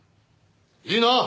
いいな？